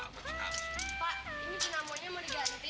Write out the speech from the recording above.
pak ini dinamonya mau diganti